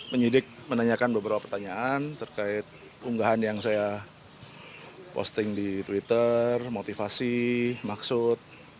penyidik menanyakan beberapa pertanyaan terkait unggahan yang saya posting di twitter motivasi maksud